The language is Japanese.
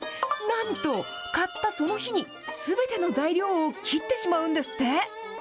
なんと、買ったその日にすべての材料を切ってしまうんですって。